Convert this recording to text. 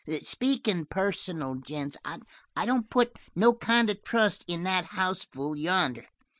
"Speakin' personal, gents, I don't put no kind of trust in that houseful yonder.